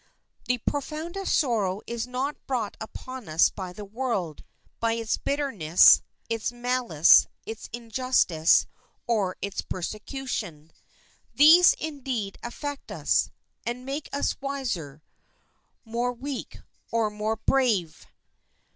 The profoundest sorrow is not brought upon us by the world, by its bitterness, its malice, its injustice, or its persecution. These, indeed, affect us, and make us wiser, more weak, or more brave.